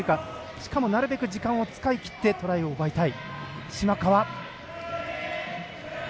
しかもなるべく時間を使い切ってトライしたい。